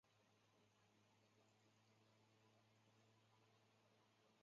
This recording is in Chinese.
这是鉴别新型隐球菌的快速方法。